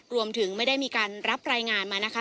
รวมถึงไม่ได้มีการรับรายงานมานะคะ